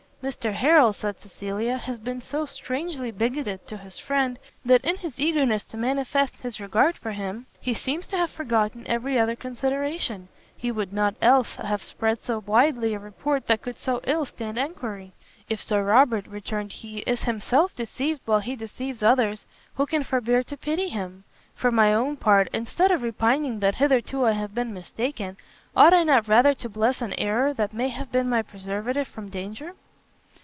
"Mr Harrel," said Cecilia, "has been so strangely bigoted to his friend, that in his eagerness to manifest his regard for him, he seems to have forgotten every other consideration; he would not, else, have spread so widely a report that could so ill stand enquiry." "If Sir Robert," returned he, "is himself deceived while he deceives others, who can forbear to pity him? for my own part, instead of repining that hitherto I have been mistaken, ought I not rather to bless an error that may have been my preservative from danger?"